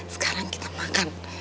sekarang kita makan